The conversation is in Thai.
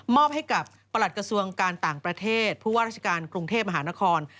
อบให้กับประหลัดกระทรวงการต่างประเทศผู้ว่าราชการกรุงเทพมหานคร